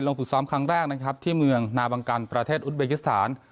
ฝึกซ้อมครั้งแรกนะครับที่เมืองนาบังกันประเทศอุทเบกิสถาน